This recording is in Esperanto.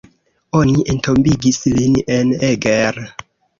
Oni entombigis lin en Eger.